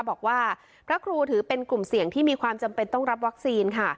บอกว่าพระครูถือเป็นกลุ่มเสี่ยงที่มีความจำเป็นต้องรับวัคซีนค่ะ